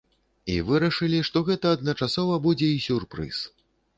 І вырашылі, што гэта адначасова будзе і сюрпрыз.